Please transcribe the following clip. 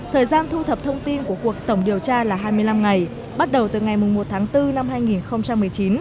thời gian thu thập thông tin của cuộc tổng điều tra là hai mươi năm ngày bắt đầu từ ngày một tháng bốn năm hai nghìn một mươi chín